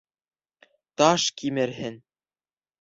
— Таш кимерһен...